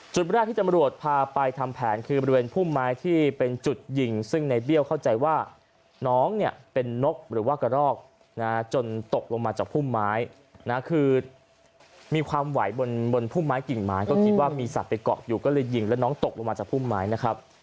จุดแรกที่ตำรวจพาไปทำแผนคือบริเวณพุ่มไม้ที่เป็นจุดยิงซึ่งในเบี้ยวเข้าใจว่าน้องเนี่ยเป็นนกหรือว่ากระรอกนะจนตกลงมาจากพุ่มไม้นะคือมีความไหวบนพุ่มไม้กิ่งไม้ก็คิดว่ามีสัตว์ไปเกาะอยู่ก็เลยยิงแล้วน้องตกลงมาจากพุ่มไม้นะครับ